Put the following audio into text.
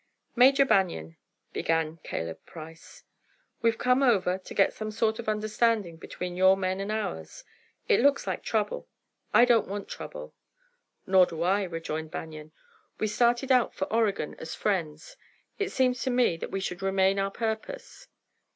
"Major Banion," began Caleb Price, "we've come over to get some sort of understanding between your men and ours. It looks like trouble. I don't want trouble." "Nor do I," rejoined Banion. "We started out for Oregon as friends. It seems to me that should remain our purpose.